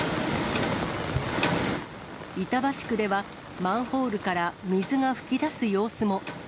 板橋区では、マンホールから水が噴き出す様子も。